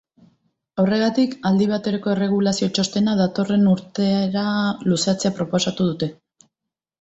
Horregatik, aldi baterako erregulazio txostena datorren urtera luzatzea proposatu dute.